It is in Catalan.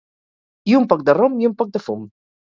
I un poc de rom i un poc de fum.